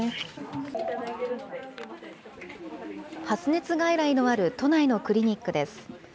発熱外来のある都内のクリニックです。